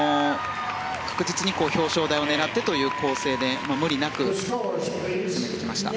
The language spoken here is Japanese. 確実に表彰台を狙ってという構成で無理なく詰めてきました。